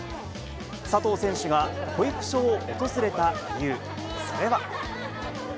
佐藤選手が保育所を訪れた理由、それは。